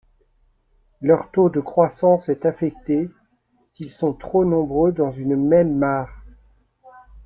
Leur taux de croissance est affecté s’ils sont trop nombreux dans une même mare.